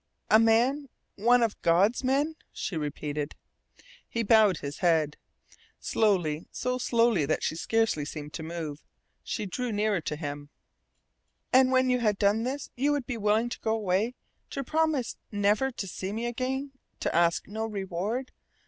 "A MAN one of God's men?" she repeated. He bowed his head. Slowly, so slowly that she scarcely seemed to move, she drew nearer to him. "And when you had done this you would be willing to go away, to promise never to see me again, to ask no reward?